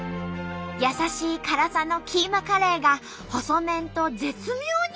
優しい辛さのキーマカレーが細麺と絶妙にマッチ。